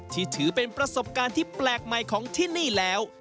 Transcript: ที่ถือเป็นประสบการณ์ที่แปลกใหม่ของที่นี่แล้ว